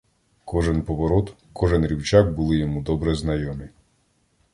Кожен поворот, кожен рівчак були йому добре знайомі.